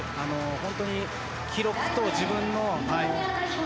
本当に記録と自分の。